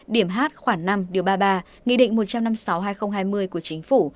điểm h khoảng năm điều ba mươi ba nghị định một trăm năm mươi sáu hai nghìn hai mươi của chính phủ